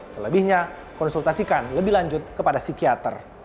selebihnya konsultasikan lebih lanjut kepada psikiater